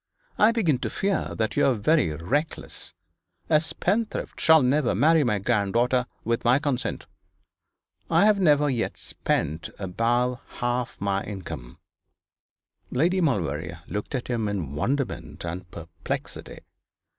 I begin to fear that you are very reckless. A spendthrift shall never marry my granddaughter, with my consent.' 'I have never yet spent above half my income.' Lady Maulevrier looked at him in wonderment and perplexity.